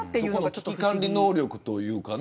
危機管理能力というかね。